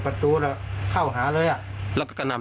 มันจาลีนั้นมัน